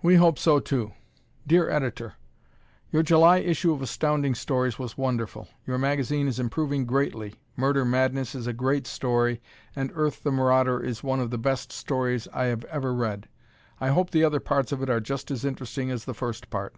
We Hope So, Too! Dear Editor: Your July issue of Astounding Stories was wonderful. Your magazine is improving greatly. "Murder Madness" is a great story, and "Earth, the Marauder," is one of the best stories I have ever read. I hope the other parts of it are just as interesting as the first part.